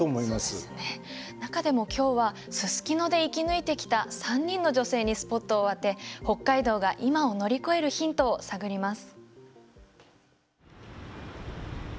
中でも今日はすすきので生き抜いてきた３人の女性にスポットを当て北海道が今を乗り越えるヒントを探ります。